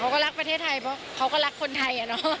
รักประเทศไทยเพราะเขาก็รักคนไทยอะเนาะ